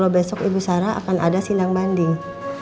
besok ibu sarah akan ada sindang banding